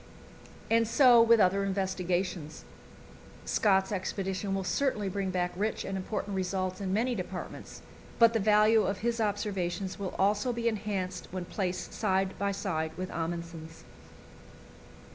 And so with other investigations. Scott's expedition will certainly bring back rich and important results in many departments, but the value of his observations will also be enhanced when placed side by side with Amundsen's.